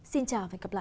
xin chào và hẹn gặp lại